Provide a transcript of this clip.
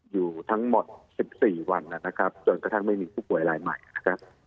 อยู่ทั้งหมด๑๔วันนะครับจนกระทั่งไม่มีผู้ป่วยรายใหม่นะครับ